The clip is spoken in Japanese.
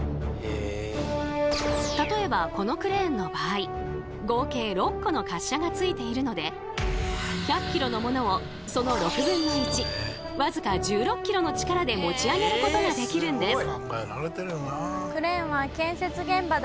例えばこのクレーンの場合合計６個の滑車がついているので１００ｋｇのものをその６分の１わずか１６ｋｇの力で持ち上げることができるんです。